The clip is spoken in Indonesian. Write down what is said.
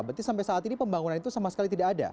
berarti sampai saat ini pembangunan itu sama sekali tidak ada